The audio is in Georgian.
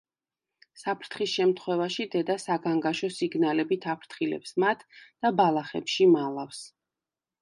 საფრთხის შემთხვევაში დედა საგანგაშო სიგნალებით აფრთხილებს მათ და ბალახებში მალავს.